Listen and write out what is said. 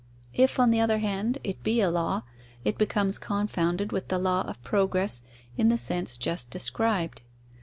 If, on the other hand, it be a law, it becomes confounded with the law of progress in the sense just described.